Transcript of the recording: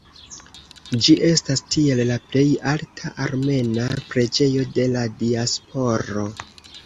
Ĝi estas tiel la plej alta armena preĝejo de la diasporo.